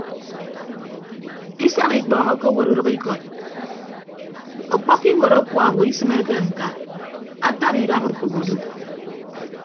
Isañ ikpọọñ okowot udʌkikọt ọkpọkkọ iwuot akuaowo isịmeke ñka ataba idap okop odu.